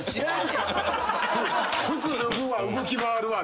服脱ぐわ動き回るわで。